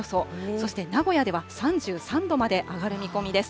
そして名古屋では３３度まで上がる見込みです。